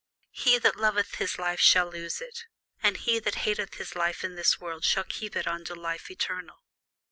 He that loveth his life shall lose it; and he that hateth his life in this world shall keep it unto life eternal.